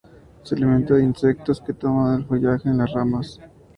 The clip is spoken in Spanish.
Se alimenta de insectos, que toma del follaje o en las ramas.